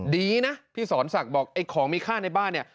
ดีนะพี่สอนศักดิ์บอกไอ้ของมีค่าในบ้านเนี่ย